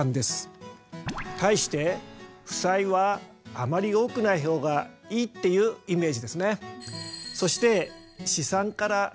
対して負債はあまり多くない方がいいっていうイメージですね。